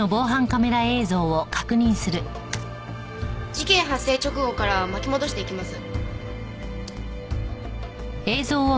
事件発生直後から巻き戻していきます。